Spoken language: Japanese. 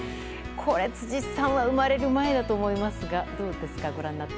辻さんは生まれる前だと思いますがどうですか、ご覧になって。